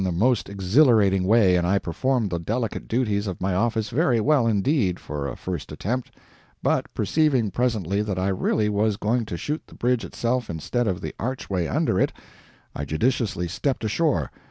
We went tearing along in a most exhilarating way, and I performed the delicate duties of my office very well indeed for a first attempt; but perceiving, presently, that I really was going to shoot the bridge itself instead of the archway under it, I judiciously stepped ashore.